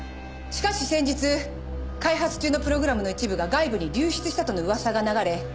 しかし先日開発中のプログラムの一部が外部に流出したとの噂が流れ